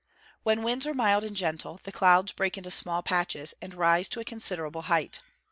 _ When winds are mild and gentle, the clouds break into small patches, and rise to a considerable height.